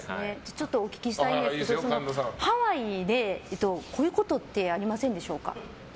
ちょっとお聞きしたいんですけどハワイでこういうことってありませんでしょうか？